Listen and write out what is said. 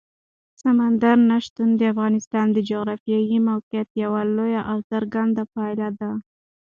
سمندر نه شتون د افغانستان د جغرافیایي موقیعت یوه لویه او څرګنده پایله ده.